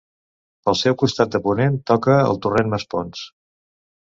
Pel seu costat de ponent toca al Torrent Masponç.